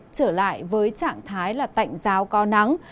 trở lại với trạng thái là tạnh rào co nắng